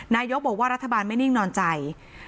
นายกบอกว่ารัฐบาลไม่นิ่งนอนใจ